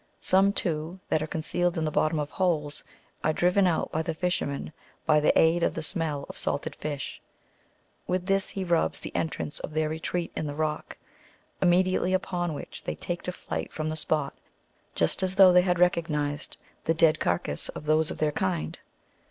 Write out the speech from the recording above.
Some, too, that are con cealed in the bottom of holes, are driven out by the fisherman, by the aid of the smell of salted fish ; with this he rubs the entrance of their retreat in the rock, immediately upon which they take to flight from the spot, just as though they had recog nized the dead carcases of those of their kind.